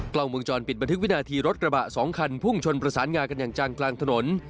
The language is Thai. กล้องวงจรปิดบันทึกวินาทีรถกระบะ๒คันพุ่งชนประสานงากันอย่างจังกลางถนน